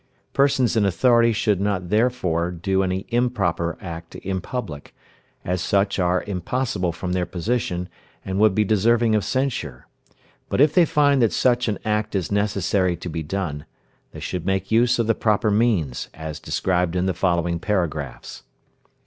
Persons in authority should not therefore do any improper act in public, as such are impossible from their position, and would be deserving of censure. But if they find that such an act is necessary to be done, they should make use of the proper means as described in the following paragraphs.